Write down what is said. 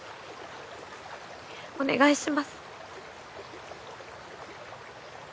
お願いします。